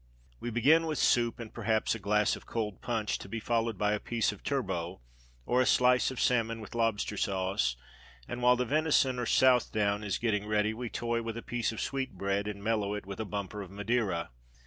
"We begin with soup, and perhaps a glass of cold punch, to be followed by a piece of turbot, or a slice of salmon with lobster sauce; and while the venison or South down is getting ready, we toy with a piece of sweetbread, and mellow it with a bumper of Madeira.